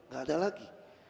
gak ada lagi